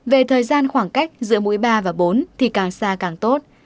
về thời gian khoảng cách giữa mũi ba và bốn thì càng xa càng tốt